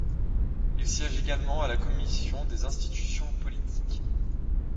Il siège également à la Commission des institutions politiques.